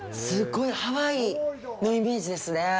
すっごいハワイのイメージですね。